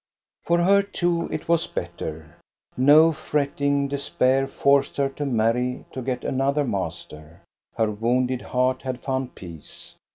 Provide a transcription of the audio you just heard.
For her too it was better. No fretting despair forced her to marry to get another master. Her wounded heart had found peace.